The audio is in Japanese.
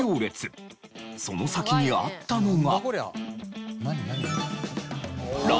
その先にあったのが。